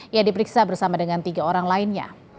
ia diperiksa bersama dengan tiga orang lainnya